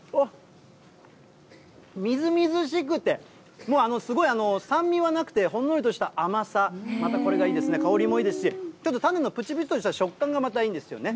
みずみずしくて、もうあの、すごい酸味はなくて、ほんのりとした甘さ、またこれがいいですね、香りもいいですし、ちょっと種のぷちぷちとした食感がまたいいんですよね。